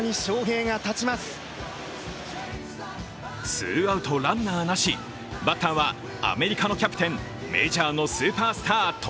ツーアウトランナーなしバッターはアメリカのキャプテンメジャーのスーパースタート